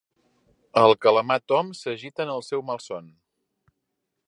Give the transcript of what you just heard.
El calamar Tom s'agita en el seu malson.